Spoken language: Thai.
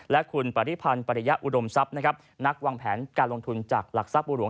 และคุณปริภัณฑ์ปริยาอุดมทรัพย์นักวางแผนการลงทุนจากหลักทรัพย์บวง